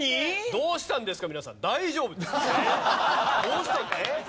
どうしたんですか？